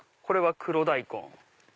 これは黒大根。